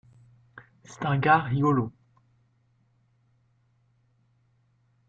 C’est un gars rigolo.